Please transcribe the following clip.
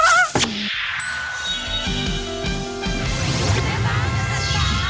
แม่บ้าเจอสัญญาณ